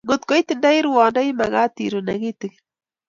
Ngot ko itindai rwando imakat iruu ne kitikin